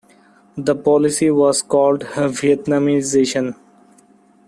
The policy was called Vietnamization.